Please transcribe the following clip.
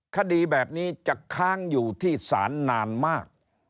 คดีแบบนี้จะค้างอยู่ที่ศาลนานมาก